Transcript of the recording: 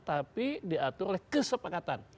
tapi diatur oleh kesepakatan